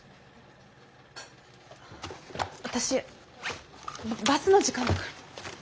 私バスの時間だから。